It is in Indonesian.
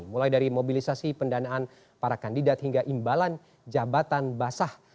mulai dari mobilisasi pendanaan para kandidat hingga imbalan jabatan basah